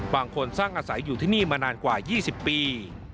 บางคนสร้างอาศัยอยู่ที่นี่มานานกว่า๒๐ปี